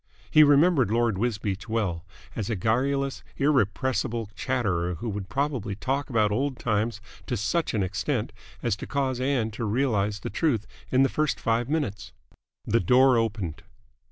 He remembered Lord Wisbeach well, as a garrulous, irrepressible chatterer who would probably talk about old times to such an extent as to cause Ann to realise the truth in the first five minutes. The door opened.